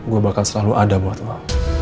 gue bakal selalu ada buat mah